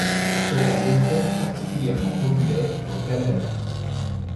C'est un dessert particulièrement populaire au Canada.